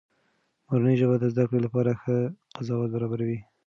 مورنۍ ژبه د زده کړې لپاره ښه فضا برابروي.